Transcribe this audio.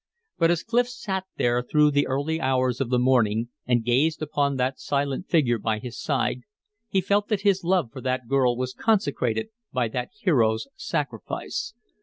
But as Clif sat there through the early hours of the morning and gazed upon that silent figure by his side he felt that his love for that girl was consecrated by that hero's sacrifice.